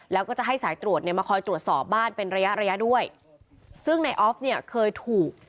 แล้วก็จะให้สายตรวจเนี่ยมาคอยตรวจสอบบ้านเป็นระยะระยะด้วยซึ่งในออฟเนี่ยเคยถูก